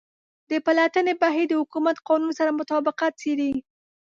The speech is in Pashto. د پلټنې بهیر د حکومت قانون سره مطابقت څیړي.